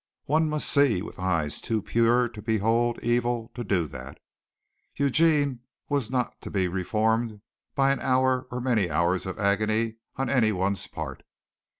One must see with eyes too pure to behold evil to do that. Eugene was not to be reformed by an hour or many hours of agony on anyone's part.